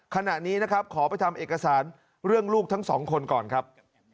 ขณะนี้นะครับขอไปทำเอกสารเรื่องลูกทั้งสองคนก่อนครับ